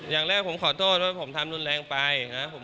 อย่างแรกผมขอโทษว่าผมทำรุนแรงไปนะครับ